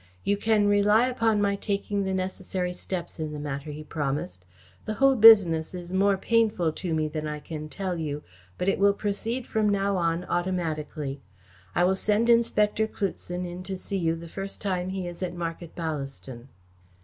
"You can rely upon my taking the necessary steps in the matter," he promised. "The whole business is more painful to me than I can tell you, but it will proceed from now on automatically. I will send Inspector Cloutson in to see you the first time he is at Market Ballaston."